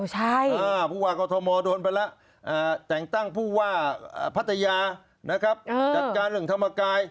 ใช่มั้ยคะเพราะคำสั่งเด็ดขาดไง